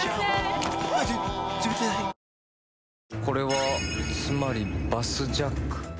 「これはつまりバスジャック？」